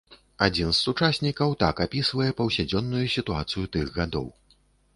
Адзін з сучаснікаў так апісвае паўсядзённую сітуацыю тых гадоў.